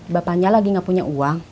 bapaknya lagi gak punya uang